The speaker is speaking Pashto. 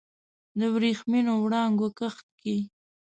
د وریښمېو وړانګو کښت کې